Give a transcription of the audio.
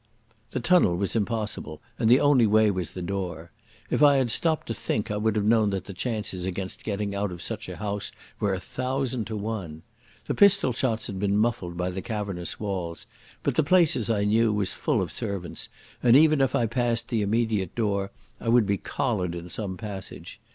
The tunnel was impossible, and the only way was the door. If I had stopped to think I would have known that the chances against getting out of such a house were a thousand to one. The pistol shots had been muffled by the cavernous walls, but the place, as I knew, was full of servants and, even if I passed the immediate door, I would be collared in some passage.